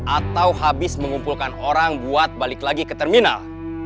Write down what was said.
atau habis mengumpulkan orang buat balik lagi ke terminal